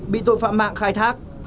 bị tội phạm mạng khai thác